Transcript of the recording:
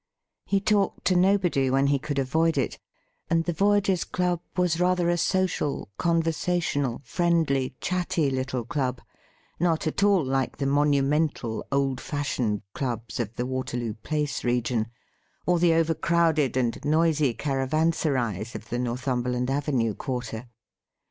He talked to nobody when he could avoid it; and the Voyagers' Club was rather a social, conversational, friendly, chatty little club — not at all like the monumental old fashioned clubs of the Waterloo Place region, or the overcrowded and noisy ' caravanserais ' of the Northumberland Avenue quarter.